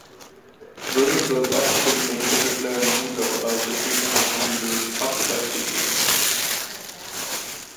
Rosenberg often complained to Hitler and Himmler about the treatment of non-Jewish occupied peoples.